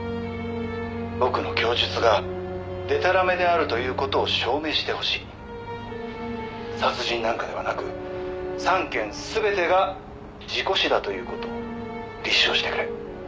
「僕の供述がでたらめであるという事を証明してほしい」「殺人なんかではなく３件全てが事故死だという事を立証してくれ。